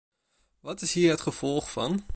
Wat is hier het gevolg van?